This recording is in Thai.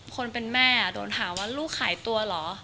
คนเป็นแม่โดนหาว่าลูกหายตัวเหรอ